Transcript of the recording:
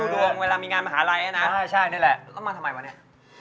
ตั้งสุขดูดวงเวลามีงานมหาลัยนะนะแล้วมาทำไมวะเนี่ย